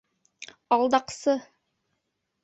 Алдаҡсы!